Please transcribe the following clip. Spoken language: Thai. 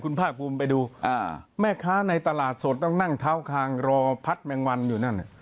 คุณภาคภูมิไปดูแม่ค้าในตลาดสดต้องนั่งเท้าคางรอพัดแมงวันอยู่นั่น